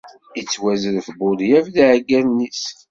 Yettwazref Buḍyaf d yiɛeggalen-is.